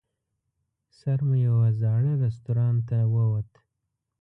سر مو یوه زاړه رستورانت ته ووت.